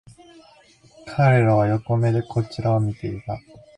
彼らは横目でこちらを見ていた